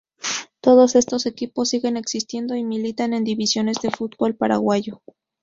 Todos estos equipos siguen existiendo y militan en divisiones del fútbol paraguayo.